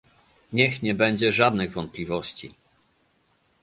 Niech nie będzie żadnych wątpliwości